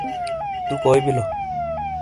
تُو کوئی بیلو!